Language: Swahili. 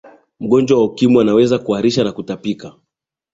mgonjwa wa ukimwi anaweza kuharisha na kutapika